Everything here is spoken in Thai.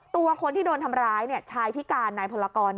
ตัวคนที่โดนทำร้ายชายพิการนายพลกร